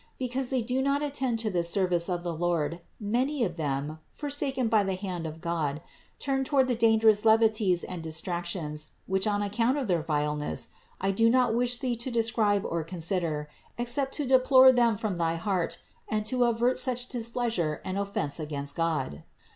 Because they do not attend to this service of the Lord, many of them, forsaken by the hand of the God, turn toward the dangerous levities and dis tractions, which on account of their vileness, I do not wish thee to describe or consider except to deplore them from thy heart and to avert such displeasure and offense against God.